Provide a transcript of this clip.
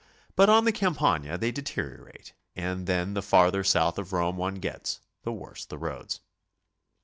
But on the Campagna they deteriorate, and then the farther south of Rome one gets, the worse the roads.